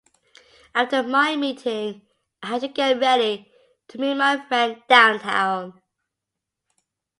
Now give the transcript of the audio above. After my meeting, I have to get ready to meet my friend downtown.